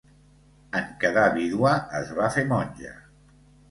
En quedar vídua es va fer monja.